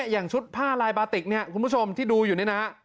อย่างชุดผ้าลายบาติกเนี่ยคุณผู้ชมที่ดูอยู่นี่นะ